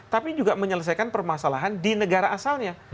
tapi juga menyelesaikan permasalahan di negara asalnya